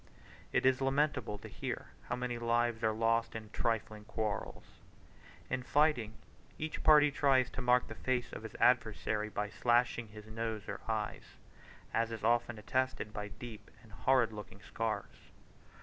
It is lamentable to hear how many lives are lost in trifling quarrels. In fighting, each party tries to mark the face of his adversary by slashing his nose or eyes; as is often attested by deep and horrid looking scars.